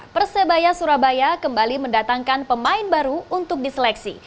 persebaya surabaya kembali mendatangkan pemain baru untuk diseleksi